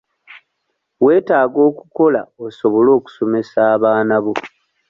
Weetaaga okukola osobole okusomesa abaana bo.